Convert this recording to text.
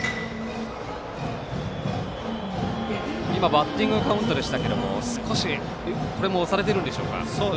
バッティングカウントでしたけど少しこれも押されているんでしょうか。